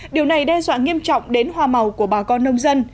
điều này đe dọa nghiêm trọng đến hoa màu của bà con nông dân